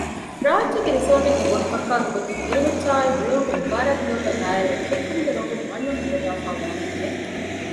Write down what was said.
ރާއްޖޭގެ ރިސޯޓެއްގެ ބޮޑުކައްކާގެ ގޮތުން އިރުމައްޗާއި ހުޅަނގުގެ މުބާރާތްތަކުގައި ބައިވެރިވެ ކެއްކުމުގެ ރޮނގުން ވަނަވަނަ ހޯދައިފައިވާ މީހެއް